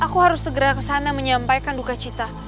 aku harus segera kesana menyampaikan duka cita